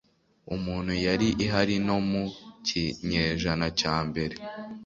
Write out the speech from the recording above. muntu yari ihari no mu kinyejana cya mbere